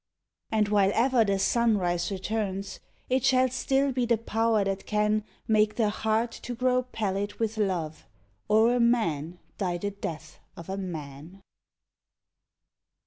And while ever the sunrise returns It shall still be .the power that can Make the heart to grow pallid with love Or a man die the death of a man.